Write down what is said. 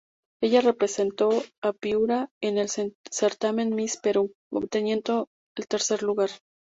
Ella representó a Piura en el certamen Miss Perú, obteniendo el tercer lugar.